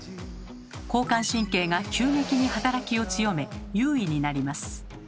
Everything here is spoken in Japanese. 交感神経が急激に働きを強め優位になります。